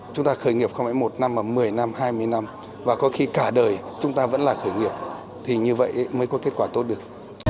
chúng ta khởi nghiệp không phải một năm mà một mươi năm hai mươi năm và có khi cả đời chúng ta vẫn là khởi nghiệp thì như vậy mới có kết quả tốt được